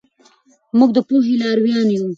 موږ د پوهې لارویان یو.